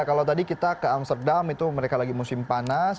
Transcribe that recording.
kalau tadi kita ke amsterdam itu mereka lagi musim panas